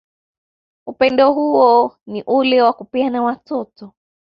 Upendo hou ni ule wa kupeana watoto